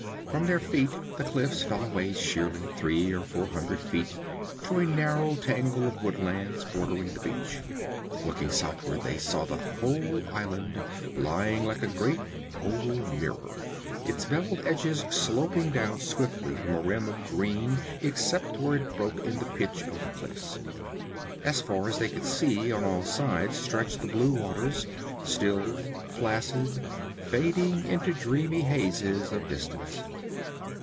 From their feet the cliffs fell away sheerly three or four hundred feet to a narrow tangle of woodlands bordering the beach. Looking southward they saw the whole island lying like a great oval mirror, its bevelled edges sloping down swiftly into a rim of green, except where it broke in the pitch of the cliffs. As far as they could see, on all sides stretched the blue waters, still, placid, fading into dreamy hazes of distance.